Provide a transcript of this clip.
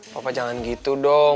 papa jangan gitu dong